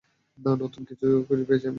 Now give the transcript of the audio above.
নতুন কিছু খুঁজে পেয়েছি আমি।